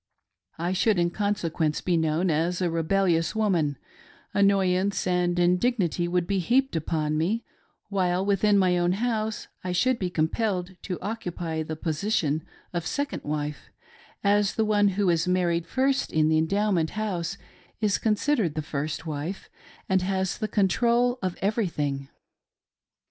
I should in consequence be known as a rebellious woman ; annoyance and indignity would be heaped upon me ; while within my own home I should be compelled to occupy the position of second wife — as the one who is married first in the Endowment House is considered the first wife and has the control of everything.